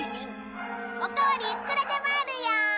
お代わりいくらでもあるよーん！